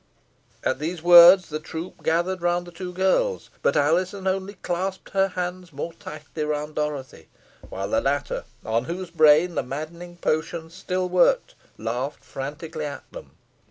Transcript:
At these words the troop gathered round the two girls. But Alizon only clasped her hands more tightly round Dorothy; while the latter, on whose brain the maddening potion still worked, laughed frantically at them.